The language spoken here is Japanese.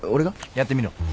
やってみろ。